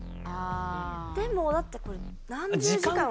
でもだってこれ何十時間はないから。